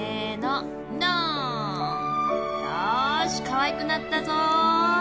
かわいくなったぞ。